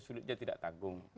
sulitnya tidak tanggung